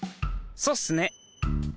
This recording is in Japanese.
そっすね。